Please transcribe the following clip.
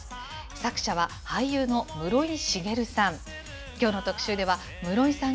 作者は、俳優の室井滋さん。